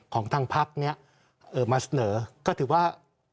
ของทางพักนี้มาเสนอก็ถือว่า